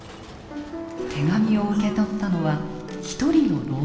手紙を受け取ったのは一人の老僧。